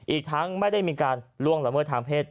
อีกทั้งไม่ได้มีการล่วงละเมิดทางเพศ